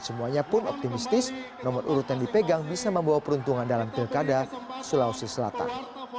semuanya pun optimistis nomor urut yang dipegang bisa membawa peruntungan dalam pilkada sulawesi selatan